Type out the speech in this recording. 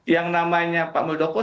yang namanya pak muldoko